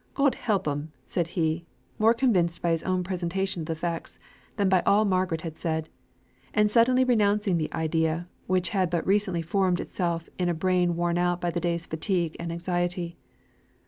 God help 'em!" said he, more convinced by his own presentation of the facts than by all Margaret had said, and suddenly renouncing the idea, which had but recently formed itself in a brain worn out by the day's fatigue and anxiety.